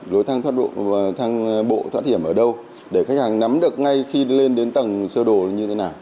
lối thang thoát bộ thoát hiểm ở đâu để khách hàng nắm được ngay khi lên đến tầng sơ đồ như thế nào